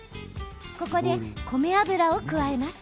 ここで米油を加えます。